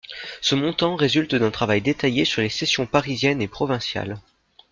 Ce montant résulte d’un travail détaillé sur les cessions parisiennes et provinciales.